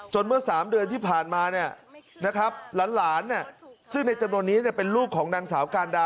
เมื่อ๓เดือนที่ผ่านมาหลานซึ่งในจำนวนนี้เป็นลูกของนางสาวการดา